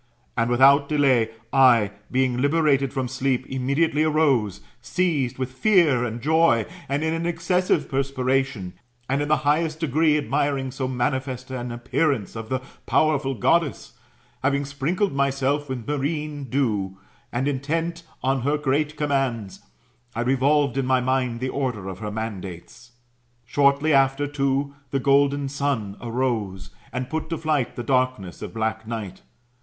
And, without delay, I, being liberated from sleep, immediately arose, seized with fear and joy, and in an excessive perspiration, and in the highest degree admiring so manifest an appearance of the poWerful Goddess, having sprinkled myself with marine dew [t\e, with the water of the set^, and intent on her great commands, I revved* in mj mind the order of her mandates. Shortly after, too, the golden Sun arose, and put to flight the darkness of black Night.